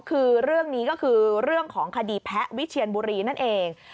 คือเรื่องนี้ก็คือเรื่องของคดีแพะวิเชียนบุรีนั่นเอง